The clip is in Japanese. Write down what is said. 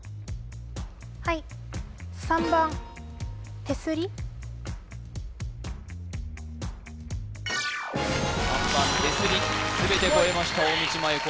はい３番てすり全て越えました大道麻優子